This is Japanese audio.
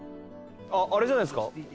あれじゃないですか？